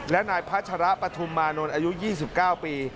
และนายพัชระปฐุมมานนท์อายุ๒๙ปี